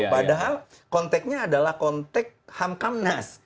padahal konteknya adalah kontek hamkamnas